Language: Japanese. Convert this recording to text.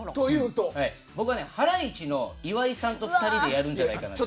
僕はね、ハライチの岩井さんと２人でやるんじゃないかなと。